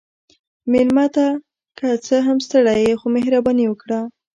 مېلمه ته که څه هم ستړی يې، خو مهرباني وکړه.